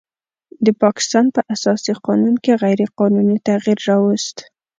د پاکستان په اساسي قانون کې غیر قانوني تغیر راوست